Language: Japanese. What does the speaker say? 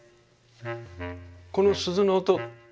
この鈴の音